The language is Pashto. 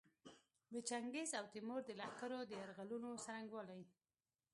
د چنګیز او تیمور د لښکرو د یرغلونو څرنګوالي.